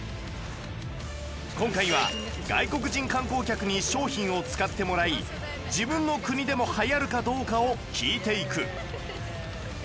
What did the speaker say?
今回は外国人観光客に商品を使ってもらい自分の国でもはやるかどうかを聞いていく